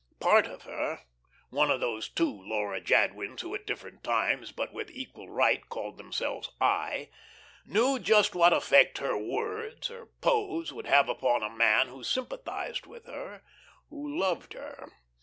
Part of her one of those two Laura Jadwins who at different times, but with equal right called themselves "I," knew just what effect her words, her pose, would have upon a man who sympathised with her, who loved her.